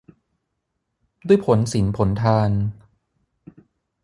ด้วยผลศีลผลทาน